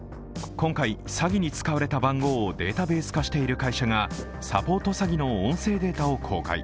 今回、詐欺に使われた番号をデータベース化している会社がサポート詐欺の音声データを公開。